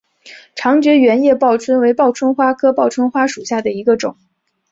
长蒴圆叶报春为报春花科报春花属下的一个种。